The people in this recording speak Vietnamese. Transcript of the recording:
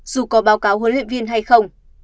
dù có báo cáo huấn luyện viên hay không